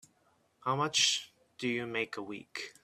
How much do you make a week?